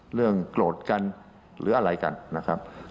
เรื่องโกรธกันหรืออะไรกันนะครับ